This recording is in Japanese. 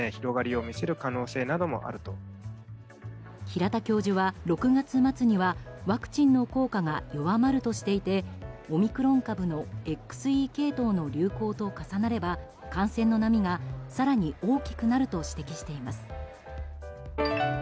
平田教授は、６月末にはワクチンの効果が弱まるとしていてオミクロン株のＸＥ系統の流行と重なれば感染の波が更に大きくなると指摘しています。